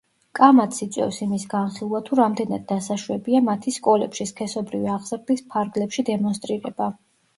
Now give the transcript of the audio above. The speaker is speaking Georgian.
კამათს იწვევს იმის განხილვა, თუ რამდენად დასაშვებია მათი სკოლებში, სქესობრივი აღზრდის ფარგლებში დემონსტრირება.